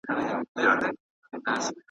د جهان سترګي یې نه ویني ړندې دي .